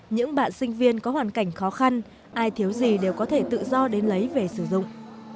những bạn sinh viên có hoàn cảnh khó khăn ai thiếu gì đều có thể tự do đến lấy về sử dụng